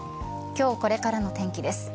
今日これからの天気です。